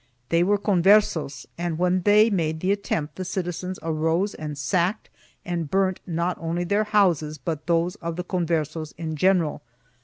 They were Converses and when they made the attempt the citizens arose and sacked and burnt not only their houses but those of the Converses in general.